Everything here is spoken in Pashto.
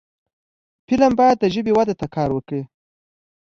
فلم باید د ژبې وده ته کار وکړي